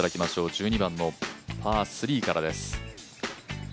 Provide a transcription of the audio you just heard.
１２番のパー３からです。